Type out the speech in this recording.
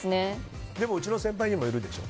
でもうちの先輩にもいるでしょ。